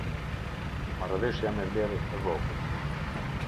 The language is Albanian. Marrëveshja me Vlerë të Vogël.